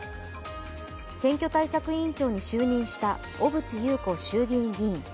選挙対策委員長に就任した小渕優子衆議院議員。